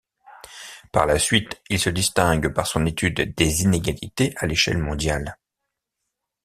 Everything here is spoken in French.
Par la suite, il se distingue par son étude des inégalités à l'échelle mondiale.